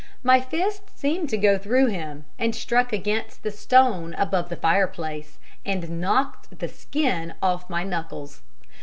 My fist seemed to go through him and struck against the stone above the fireplace, and knocked the skin off my knuckles.